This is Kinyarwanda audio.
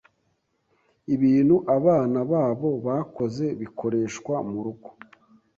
ibintu abana babo bakoze bikoreshwa mu rugo